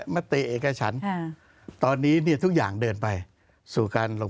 มัติเองกับฉันสงสัยค่ะตอนนี้นี่ทุกอย่างเดินไปสู่การลง